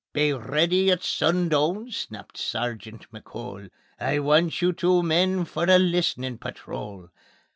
"Be ready at sundoon," snapped Sergeant McCole; "I want you two men for the List'nin' Patrol."